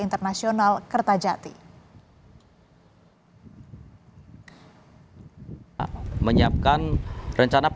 petugas gabungan juga menyiapkan pengamanan di asrama